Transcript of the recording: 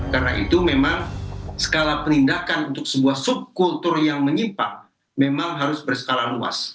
karena itu memang skala penindakan untuk sebuah subkultur yang menyimpang memang harus berskala luas